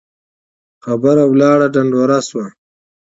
خبره لاړه ډنډوره شوه.